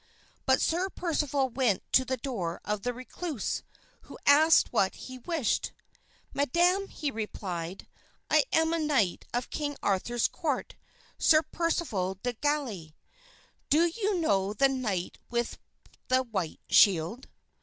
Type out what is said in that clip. But Sir Percival went to the door of the recluse, who asked what he wished. "Madam," he replied, "I am a knight of King Arthur's court, Sir Percival de Galis. Do you know the knight with the white shield?"